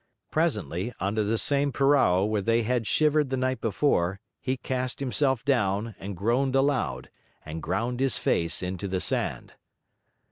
Presently, under the same purao where they had shivered the night before, he cast himself down, and groaned aloud, and ground his face into the sand.